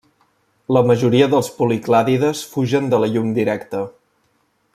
La majoria dels policlàdides fugen de la llum directa.